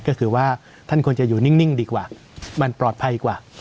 ก็คือว่าท่านควรจะอยู่นิ่งดีกว่ามันปลอดภัยกว่า